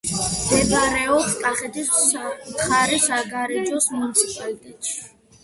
მდებარეობს კახეთის მხარის საგარეჯოს მუნიციპალიტეტში.